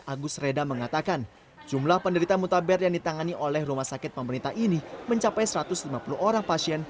agus reda mengatakan jumlah penderita mutaber yang ditangani oleh rumah sakit pemerintah ini mencapai satu ratus lima puluh orang pasien